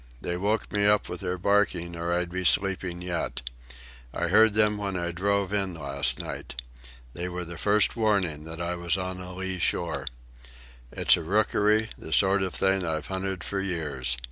"They woke me up with their barking, or I'd be sleeping yet. I heard them when I drove in last night. They were the first warning that I was on a lee shore. It's a rookery, the kind of a thing I've hunted for years.